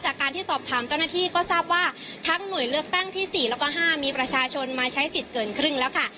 จากการที่สอบถามเจ้าหน้าที่ก็ทราบว่าทั้งหน่วยเลือกตั้งที่๔แล้วก็๕มีประชาชนมาใช้สิทธิ์เกินครึ่งแล้วค่ะ